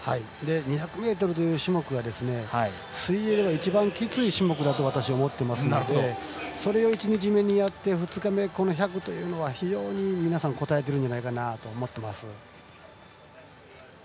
２００ｍという種目は水泳では一番きつい種目だと私は思っていますのでそれを１日目にやって２日目、１００というのは非常に皆さんこたえているんじゃないかなと思っています。